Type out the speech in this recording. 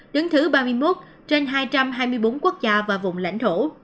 đứng thứ ba mươi một trên hai trăm hai mươi bốn quốc gia và vùng lãnh thổ